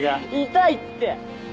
痛いって！